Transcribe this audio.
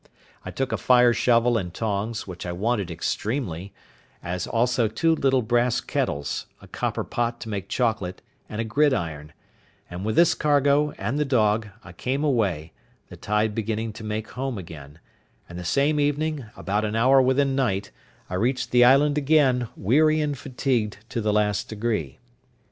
I took a fire shovel and tongs, which I wanted extremely, as also two little brass kettles, a copper pot to make chocolate, and a gridiron; and with this cargo, and the dog, I came away, the tide beginning to make home again—and the same evening, about an hour within night, I reached the island again, weary and fatigued to the last degree.